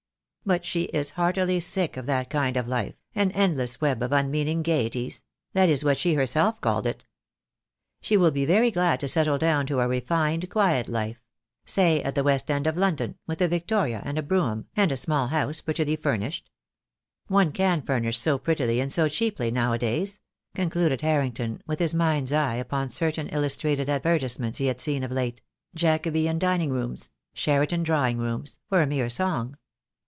But she is heartily sick of that kind of life, an endless web of unmeaning gaieties — that is what she herself called it. She will be very glad to settle down to a refined, quiet life — say, at the West End of London, with a victoria and brougham, and a small house, prettily furnished. One can furnish so prettily and so cheaply now a days," concluded Harring ton, with his mind's eye upon certain illustrated adver tisements he had seen of late — Jacobean dining rooms — Sheraton drawing rooms — for a mere song.